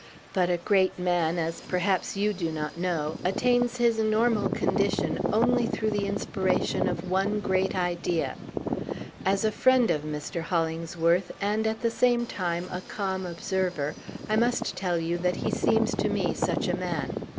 But a great man as, perhaps, you do not know attains his normal condition only through the inspiration of one great idea. As a friend of Mr. Hollingsworth, and, at the same time, a calm observer, I must tell you that he seems to me such a man.